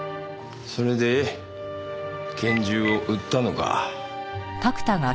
それで拳銃を売ったのか。